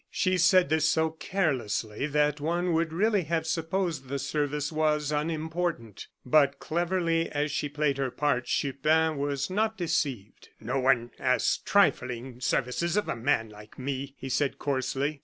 She said this so carelessly that one would really have supposed the service was unimportant; but cleverly as she played her part, Chupin was not deceived. "No one asks trifling services of a man like me," he said coarsely.